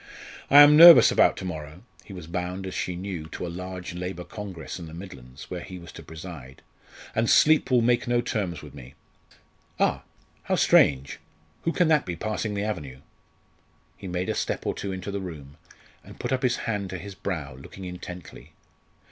I am nervous about to morrow" (he was bound, as she knew, to a large Labour Congress in the Midlands, where he was to preside), "and sleep will make no terms with me. Ah! how strange! Who can that be passing the avenue?" He made a step or two into the room, and put up his hand to his brow, looking intently.